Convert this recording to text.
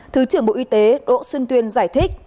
thứ trưởng bộ y tế đỗ xuân tuyên giải thích